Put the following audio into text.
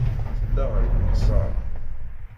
Tedda ɣer uneɣsar.